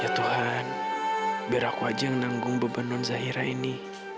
ya tuhan biar aku aja yang nanggung bebanun zahira ini